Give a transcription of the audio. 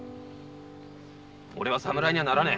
オレは侍にはならねえ。